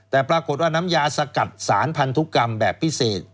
แต่ปรากฏว่าน้ำยาสกัดสารพันธุกรรมแบบพิเศษ